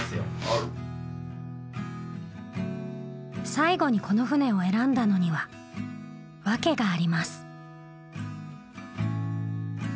最後にこの船を選んだのには訳があります。